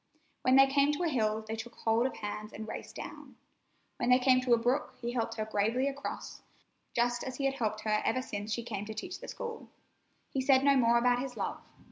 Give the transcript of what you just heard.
When they came to a hill they took hold of hands and raced down. When they came to a brook he helped her gravely across, just as he had helped her ever since she came to teach the school. He said no more about his love.